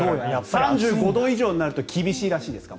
３５度以上になると厳しいらしいです。